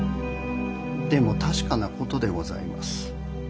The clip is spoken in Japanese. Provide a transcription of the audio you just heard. でも確かなことでございます。